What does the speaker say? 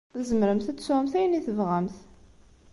Tzemremt ad tesɛumt ayen i tebɣamt.